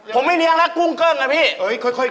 ผมไม่เลี้ยงนะกุ้งเกิ้งนะพี่